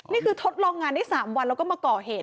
นี่คือทดลองงานได้๓วันมาก่อเหตุ